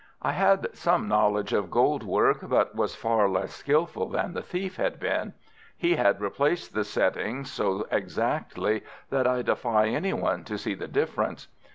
I had some knowledge of gold work, but was far less skilful than the thief had been. He had replaced the setting so exactly that I defy any one to see the difference.